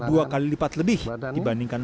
dua kali lipat lebih dibandingkan